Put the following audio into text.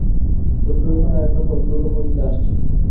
শত্রু বিমানের একটা দল দ্রুত গতিতে আসছে।